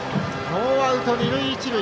ノーアウト二塁一塁。